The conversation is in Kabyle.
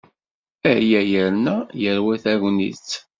Aya yerna yerwi tagnit.